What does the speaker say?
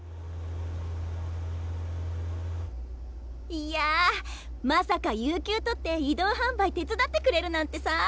いやまさか有休取って移動販売手伝ってくれるなんてさ。